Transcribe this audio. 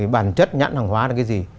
bản chất nhãn hàng hóa là cái gì